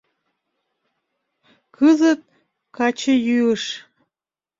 Кызыт — качыйӱыш.